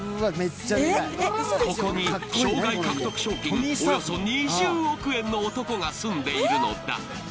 ここに、生涯獲得賞金およそ２０億円の男が住んでいるのだ。